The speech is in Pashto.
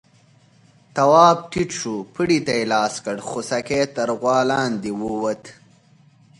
تواب ټيټ شو، پړي ته يې لاس کړ، خوسکی تر غوا لاندې ووت.